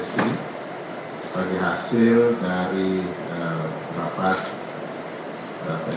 sebagai hasil dari rapat pleno